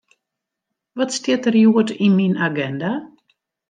Wat stiet der hjoed yn myn aginda?